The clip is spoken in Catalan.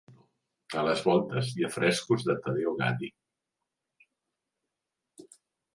A les voltes hi ha frescos de Taddeo Gaddi.